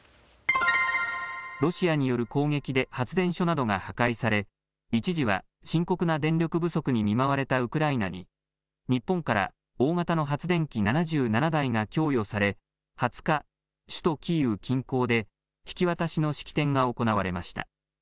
ロシアによる攻撃で発電所などが破壊され一時は深刻な電力不足に見舞われたウクライナに日本から大型の発電機７７台が供与され２０日、首都キーウ近郊で引き渡しの式典が行われました。